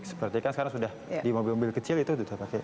seperti kan sekarang sudah di mobil mobil kecil itu sudah pakai